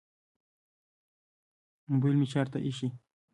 موبیل مې چارج ته ایښی